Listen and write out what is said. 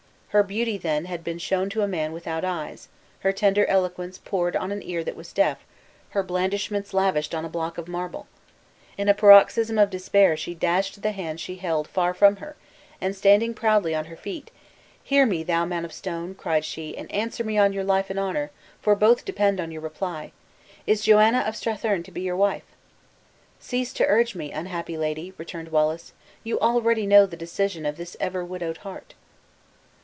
Her beauty, then, had been shown to a man without eyes, her tender eloquence poured on an ear that was deaf, her blandishments lavished on a block of marble! In a paroxysm of despair she dashed the hand she held far from her, and standing proudly on her feet "Hear me, thou man of stone!" cried she, "and answer me on your life and honor, for both depend on your reply; is Joanna of Strathearn to be your wife?" "Cease to urge me, unhappy lady," returned Wallace; "you already know the decision of this ever widowed heart."